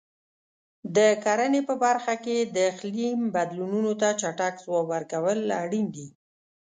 د کرنې په برخه کې د اقلیم بدلونونو ته چټک ځواب ورکول اړین دي.